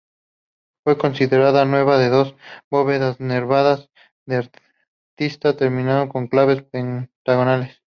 Fue construida nave con dos bóvedas nervadas de arista terminadas con claves pentagonales.